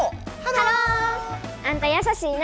ハロー！あんた優しいな。